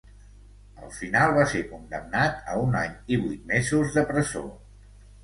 El final va ser condemnat a un any i vuit mesos de presó.